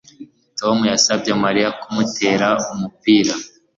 Tom yasabye Mariya kumutera umupira